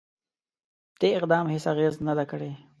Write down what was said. دې اقدام هیڅ اغېزه نه ده کړې.